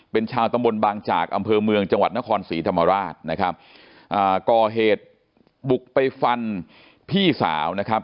เป็นชาวตำบลบางจากอำเภอเมืองจังหวัดนครศรีธรรมราชนะครับอ่าก่อเหตุบุกไปฟันพี่สาวนะครับ